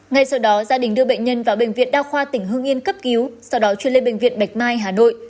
ngay sau đó gia đình đưa bệnh nhân vào bệnh viện đao khoa tỉnh hương yên cấp cứu sau đó chuyên lên bệnh viện bạch mai hà nội